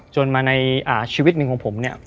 จนมาในชีวิตหนึ่งของผมเนี่ย